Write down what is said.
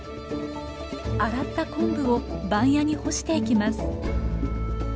洗った昆布を番屋に干していきます。